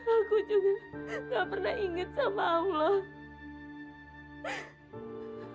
aku juga gak pernah inget sama allah